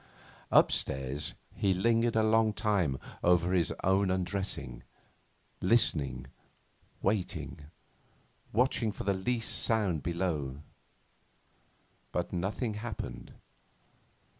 Upstairs he lingered a long time over his own undressing, listening, waiting, watching for the least sound below. But nothing happened.